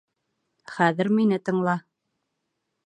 Хәҙер мине тыңла!